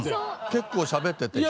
結構しゃべってて。